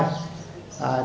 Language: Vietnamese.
tôi đã sai